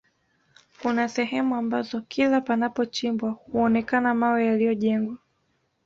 Kuna sehemu ambazo kila panapochimbwa huonekana mawe yaliyojengwa